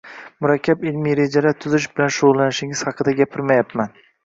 murakkab ilmiy rejalar tuzish bilan shug‘ullanishingiz haqida gapirmayapman.